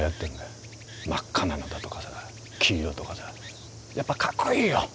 真っ赤なのだとかさ黄色とかさやっぱかっこいいよ。